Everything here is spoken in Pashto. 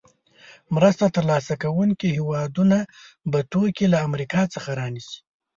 مرسته تر لاسه کوونکې هېوادونه به توکي له امریکا څخه رانیسي.